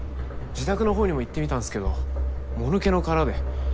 自宅のほうにも行ってみたんすけどもぬけの殻で。